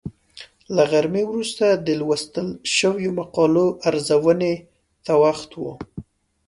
له غرمې وروسته د لوستل شویو مقالو ارزونې ته وخت و.